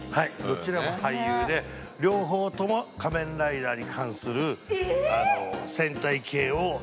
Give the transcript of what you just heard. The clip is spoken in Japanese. どちらも俳優で両方とも『仮面ライダー』に関する戦隊系を出られてます。